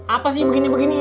apa sih begini begini iya kan